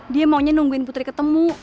dia maunya nungguin putri ketemu